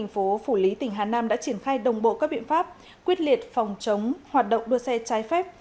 phủ lý tỉnh hà nam đã triển khai đồng bộ các biện pháp quyết liệt phòng chống hoạt động đua xe trái phép